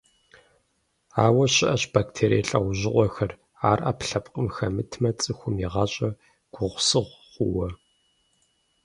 Ауэ щыӏэщ бактерие лӏэужьыгъуэхэр, ар ӏэпкълъэпкъым хэмытмэ цӏыхум и гъащӏэр гугъусыгъу хъууэ.